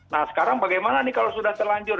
nah sekarang bagaimana nih kalau sudah terlanjur